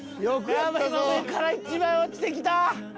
やばい今上から１枚落ちてきた。